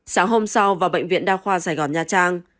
sáng hôm sau vào bệnh viện đa khoa sài gòn nha trang